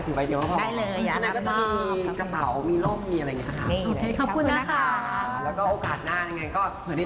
แต่เป็นน่ารักเหมือนเดิมแต่วันุ่นสั้นบันที่นี้